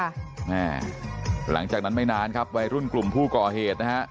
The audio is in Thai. แม่หลังจากนั้นไม่นานครับวัยรุ่นกลุ่มผู้ก่อเหตุนะฮะ